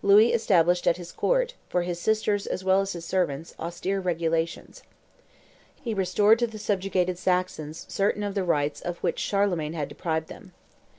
Louis established at his court, for his sisters as well as his servants, austere regulations. He restored to the subjugated Saxons certain of the rights of which Charlemagne had deprived them.